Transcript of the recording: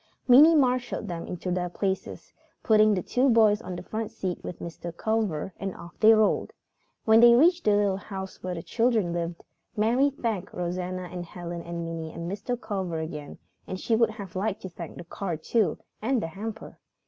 Minnie marshalled them into their places, putting the two boys on the front seat with Mr. Culver, and off they rolled. When they reached the little house where the children lived, Mary thanked Rosanna and Helen and Minnie and Mr. Culver again and she would have liked to thank the car too, and the hamper.